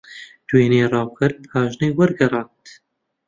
دوێنێ ڕاوکەر پاژنەی وەرگەڕاند.